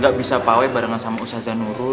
gak bisa pawai barengan sama ustaz zanurul